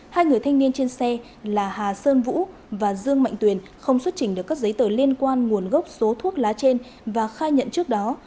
hai người thanh niên trên xe là hà sơn vũ và dương mạnh tuyền không xuất trình được các giấy tờ liên quan nguồn gốc số thuốc lá trên và khai nhận trước đó